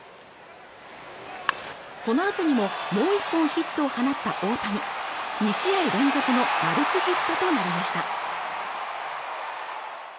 このあとにももう１本ヒットを放った大谷２試合連続のマルチヒットとなりました